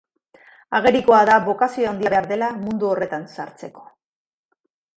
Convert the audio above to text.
Agerikoa da bokazio handia behar dela mundu horretan sartzeko.